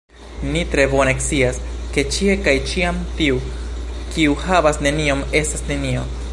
Ni tre bone scias, ke ĉie kaj ĉiam tiu, kiu havas nenion, estas nenio.